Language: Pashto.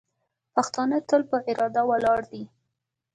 پښتانه تل په اراده ولاړ دي.